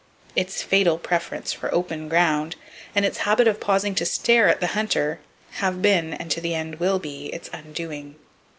Its fatal preference for open ground and its habit of pausing to stare at the hunter have been, and to the end will be, its undoing.